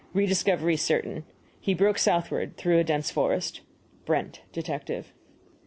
Rediscovery certain. He broke southward, through a dense forest. BRENT, Detective.